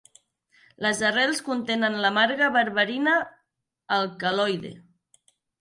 Les arrels contenen l'amarga berberina alcaloide.